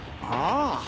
ああ。